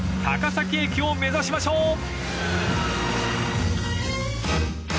高崎駅を目指しましょう］